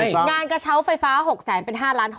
งานกระเช้าไฟฟ้า๖แสนเป็น๕ล้าน